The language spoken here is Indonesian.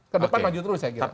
ke depan maju terus saya kira